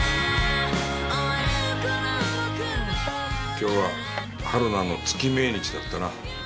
今日は春菜の月命日だったな。